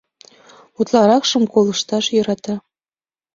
Утларакшым колышташ йӧрата.